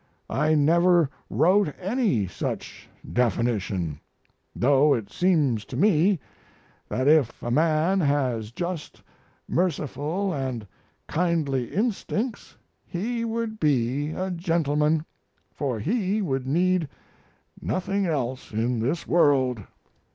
I never wrote any such definition, though it seems to me that if a man has just, merciful, and kindly instincts he would be a gentleman, for he would need nothing else in this world.